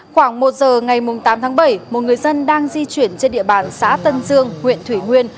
khoảng một giờ ngày tám tháng bảy một người dân đang di chuyển trên địa bàn xã tân dương huyện thủy nguyên